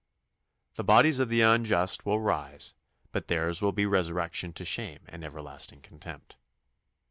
The bodies of the unjust will rise; but theirs will be resurrection to shame and everlasting contempt.